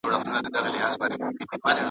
پیکر که هر څو دلربا تر دی .